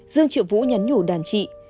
dương triệu vũ nhắn nhủ đàn chị